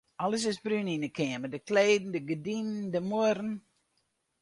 Alles is brún yn 'e keamer: de kleden, de gerdinen, de muorren.